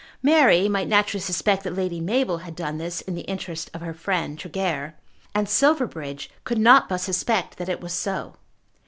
Mary might naturally suspect that Lady Mabel had done this in the interest of her friend Tregear, and Silverbridge could not but suspect that it was so.